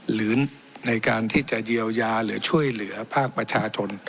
หรือในการที่จะเยียวยาหรือช่วยเหลือภาคประชาชน